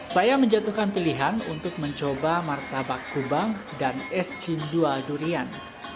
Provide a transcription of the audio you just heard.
saya menjatuhkan pilihan untuk mencoba martabak kubang dan es cindual durian